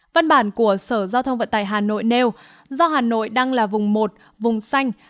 văn bản của sở giao thông vận tải hà nội nêu do hà nội đang là vùng một vùng xanh